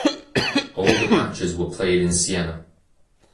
All the matches were played in Siena.